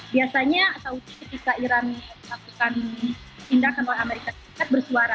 biasanya saudi ketika iran melakukan tindakan oleh amerika serikat bersuara